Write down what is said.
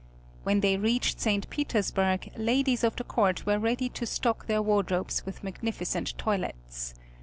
When they reached St. Petersburg ladies of the court were ready to stock their wardrobes with magnificent toilettes.